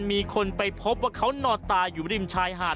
มีคนไปพบว่าเขานอนตายอยู่ริมชายหาด